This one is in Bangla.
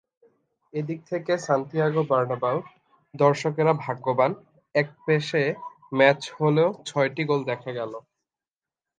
এদিক থেকে সান্তিয়াগো বার্নাব্যুর দর্শকেরা ভাগ্যবান, একপেশে ম্যাচ হলেও ছয়টি গোল দেখা গেল।